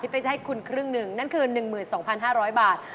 เป๊กจะให้คุณครึ่งหนึ่งนั่นคือ๑๒๕๐๐บาท